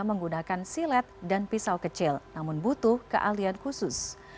menggunakan silet dan pisau kecil namun butuh keahlian khusus